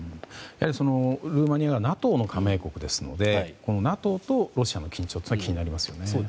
ルーマニアはＮＡＴＯの加盟国ですのでＮＡＴＯとロシアの緊張が気になりますよね。